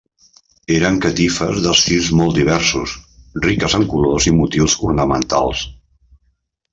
Eren catifes d’estils molt diversos, riques en colors i motius ornamentals.